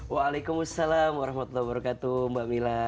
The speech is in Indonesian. waalaikumsalam warahmatullahi wabarakatuh mbak mila